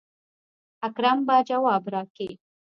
اکرم به جواب راکي.